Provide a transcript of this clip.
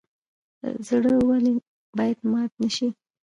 زړه ولې باید مات نشي؟